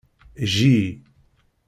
Jji.